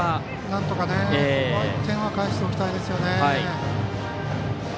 なんとか１点は返しておきたいですよね。